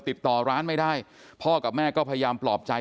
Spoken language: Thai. ติดต่อร้านไม่ได้พ่อกับแม่ก็พยายามปลอบใจ